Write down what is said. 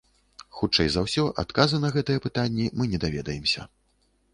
Хутчэй за ўсё, адказы на гэтыя пытанні мы не даведаемся.